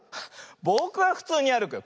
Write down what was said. ぼくはふつうにあるくよ。